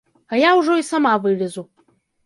А я ўжо і сама вылезу!